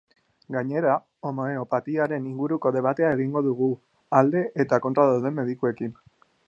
Gainera, homeopatiaren inguruko debatea egingo dugu alde eta kontra dauden medikuekin.